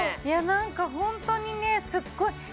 いやなんかホントにねすっごい